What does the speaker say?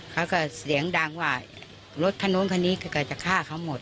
เขาก็เสียงดังว่ารถคันนู้นคันนี้ก็จะฆ่าเขาหมด